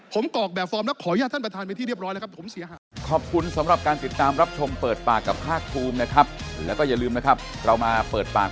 ผมกรอกแบบฟอร์มแล้วขออนุญาตท่านประธาน